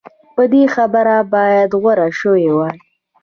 پر دې خبرې باید غور شوی وای.